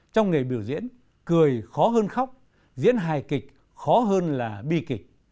trong nghề biểu diễn cười khó hơn khóc diễn hài kịch khó hơn là bi kịch